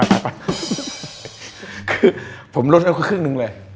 คือผมลดให้กันขึ้นหนึ่งเลย